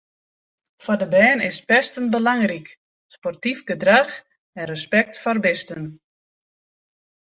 Foar de bern is pesten belangryk, sportyf gedrach en respekt foar bisten.